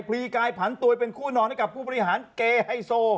ลีกายผันตัวเป็นคู่นอนให้กับผู้บริหารเกไฮโซ